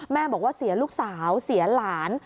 แม่บอกว่าเสียลูกสาวเสียหลาน